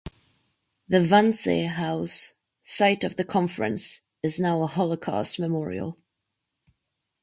The Wannsee House, site of the conference, is now a Holocaust memorial.